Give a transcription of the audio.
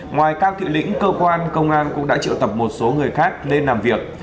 ngoài cao thị lĩnh cơ quan công an cũng đã triệu tập một số người khác lên làm việc